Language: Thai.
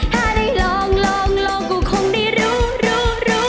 ถ้าได้ลองลองลองก็คงได้รู้รู้